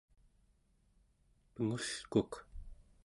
pengulkuk